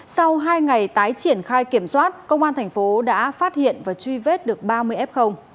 sau hai ngày tái triển khai kiểm soát công an thành phố đã phát hiện và truy vết được ba mươi f